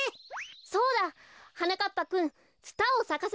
そうだ！はなかっぱくんツタをさかせてください。